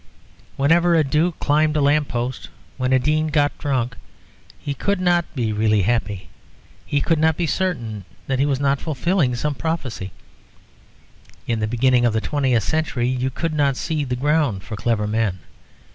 Whenever a duke climbed a lamp post, when a dean got drunk, he could not be really happy, he could not be certain that he was not fulfilling some prophecy. In the beginning of the twentieth century you could not see the ground for clever men.